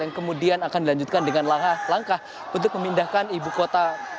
yang kemudian akan dilanjutkan dengan langkah untuk memindahkan ibu kota